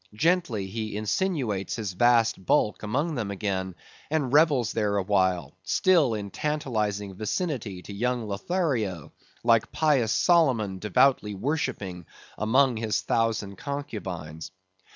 Gently he insinuates his vast bulk among them again and revels there awhile, still in tantalizing vicinity to young Lothario, like pious Solomon devoutly worshipping among his thousand concubines.